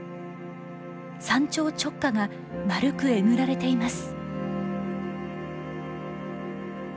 山頂直下が丸くえぐられています。